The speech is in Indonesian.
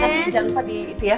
nanti jangan lupa di itu ya